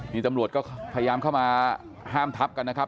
นี่ตำรวจก็พยายามเข้ามาห้ามทับกันนะครับ